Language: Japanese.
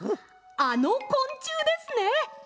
あのこんちゅうですね！